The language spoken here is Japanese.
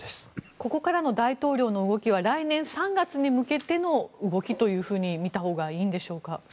ここからの大統領の動きは来年３月に向けての動きと見たほうがいいんでしょうか？